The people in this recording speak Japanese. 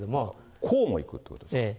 こうも行くということですか。